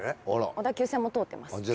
小田急線も通ってます。